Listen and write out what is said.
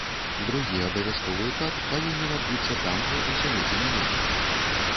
Другі абавязковы этап павінен адбыцца там жа ў сярэдзіне лета.